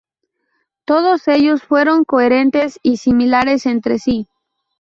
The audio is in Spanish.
Todos ellos fueron coherentes y similares entre sí.